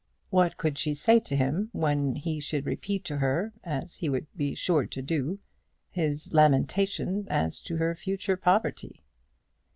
What could she say to him when he should repeat to her, as he would be sure to do, his lamentation as to her future poverty?